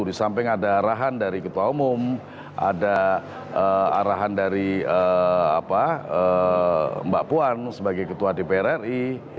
di samping ada arahan dari ketua umum ada arahan dari mbak puan sebagai ketua dpr ri